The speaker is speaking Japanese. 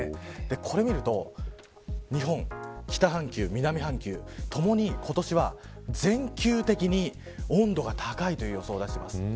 これを見ると日本、北半球、南半球共に今年は全球的に温度が高い予想になっています。